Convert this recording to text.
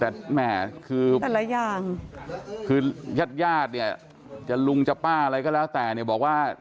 แต่แหม่คือยาดอยาดเนี่ยลุงจะป้าอะไรก็แล้วแต่เนี่ยบอกว่า